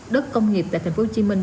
đất công nghiệp tại thành phố hồ chí minh